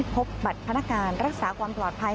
พบบัตรพนักการรักษาความปลอดภัย